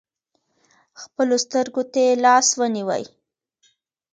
خپلو سترکو تې لاس ونیوئ .